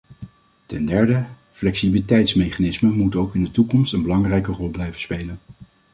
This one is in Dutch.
Ten derde: flexibiliteitsmechanismen moeten ook in de toekomst een belangrijke rol blijven spelen.